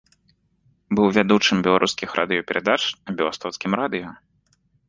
Быў вядучым беларускіх радыёперадач на беластоцкім радыё.